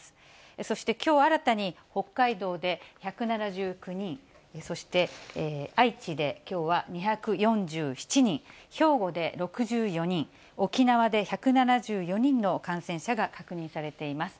そしてきょう新たに北海道で１７９人、そして愛知できょうは２４７人、兵庫で６４人、沖縄で１７４人の感染者が確認されています。